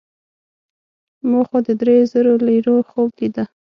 ما خو د دریو زرو لیرو خوب لیده.